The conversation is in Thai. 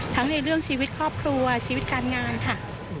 ในเรื่องชีวิตครอบครัวชีวิตการงานค่ะ